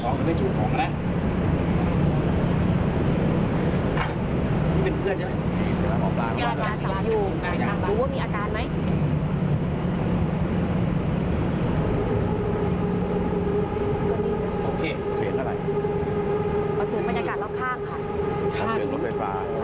นี่เป็นเพื่อนใช่ไหมอาการมันอยู่ดูว่ามีอาการไหม